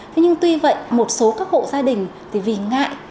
thế nhưng tuy vậy một số các hộ gia đình thì vì ngại